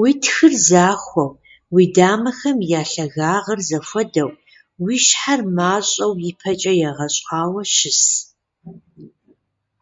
Уи тхыр захуэу, уи дамэхэм я лъагагъыр зэхуэдэу, уи щхьэр мащӀэу ипэкӀэ егъэщӀауэ щыс.